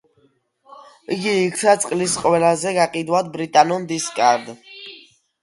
იგი იქცა წლის ყველაზე გაყიდვად ბრიტანულ დისკად.